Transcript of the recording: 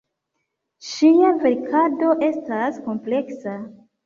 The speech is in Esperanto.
Ŝia verkado estas kompleksa.